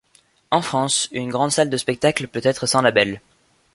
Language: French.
En France, une grande salle de spectacle peut être sans label.